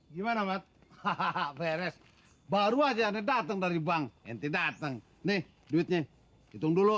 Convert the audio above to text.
gimana mat hahaha beres baru aja nih dateng dari bank ente dateng nih duitnya hitung dulu